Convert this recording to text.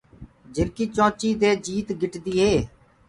جھرڪي چونچي دي جيت گِٽدي هي۔